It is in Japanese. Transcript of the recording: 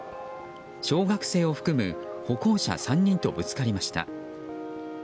小学生を含む歩行者３人とぶつかりました。